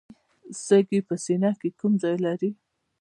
سږي په سینه کې کوم ځای لري